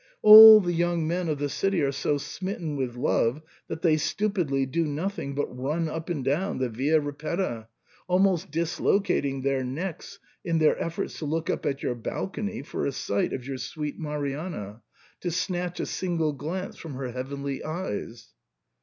All the young men of the city are so smitten with love that they stupidly do nothing but run up and down the Via Ri petta, almost dislocating their necks in their efforts to look up at your balcony for a sight of your sweet Mari anna, to snatch a single glance from her heavenly eyes."